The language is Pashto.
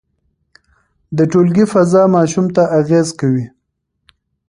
د ټولګي فضا ماشوم ته اغېز کوي.